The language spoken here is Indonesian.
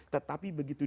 tetapi begitu itu